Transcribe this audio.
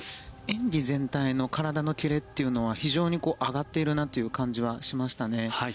演技全体の体のキレというのは非常に上がっているなという感じはしましたね。